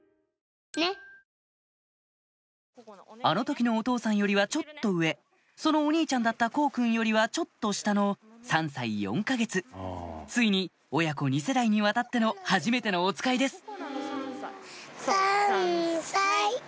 あの時のお父さんよりはちょっと上そのお兄ちゃんだった宏君よりはちょっと下の３歳４か月ついに親子２世代にわたってのはじめてのおつかいです３さい。